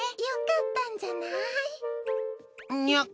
よかったんじゃない？